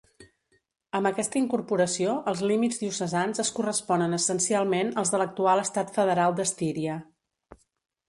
Amb aquesta incorporació, els límits diocesans es corresponen essencialment als de l'actual estat federal d'Estíria.